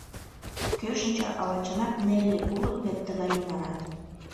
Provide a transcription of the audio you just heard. Кӧ шинча, ала чынак Нелли, улыт вет тыгай лӱманат.